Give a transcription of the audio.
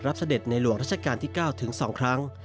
เสด็จในหลวงราชการที่๙ถึง๒ครั้ง